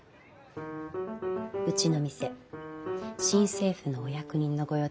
うちの店新政府のお役人の御用達でしょ？